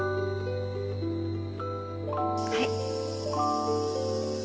はい